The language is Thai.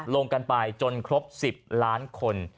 ลงไปจนครบ๑๐ล้านคน